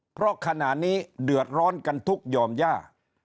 เพราะขณะนี้เดือดร้อนกันทุกยอมย่า